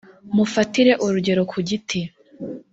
mufatire urugero ku giti